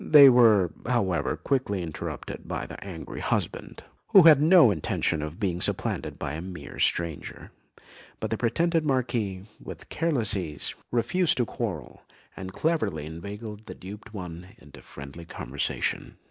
They were, however, quickly interrupted by the angry husband, who had no intention of being supplanted by a mere stranger; but the pretended Marquis, with careless ease, refused to quarrel, and cleverly inveigled the duped one into friendly conversation.